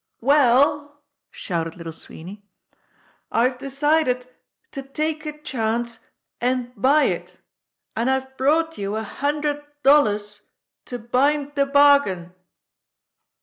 "Well," shouted Little Sweeney, "I've decided to take a chance and buy it, and I've brought you a hundred dollars to bind the bargain."